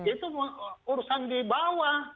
itu urusan di bawah